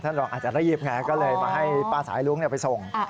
รองอาจจะรีบไงก็เลยมาให้ป้าสายลุ้งไปส่ง